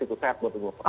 itu sehat buat pemerintahan